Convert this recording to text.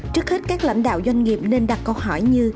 trước hết các lãnh đạo doanh nghiệp nên đặt câu hỏi như